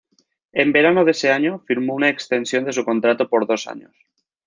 En verano de ese año firmó una extensión de su contrato por dos años.